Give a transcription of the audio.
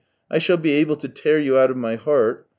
I shall be able to tear you out of my heart.